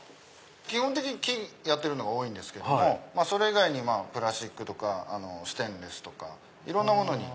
基本的に木にやってるのが多いんですけどもそれ以外にプラスチックとかステンレスとかいろんなものに。